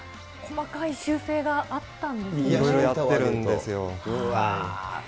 細かい修正があったんですね。